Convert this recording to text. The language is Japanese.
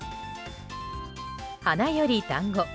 花より団子。